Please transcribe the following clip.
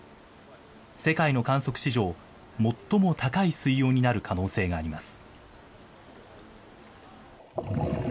世界の観測史上最も高い水温になる可能性があります。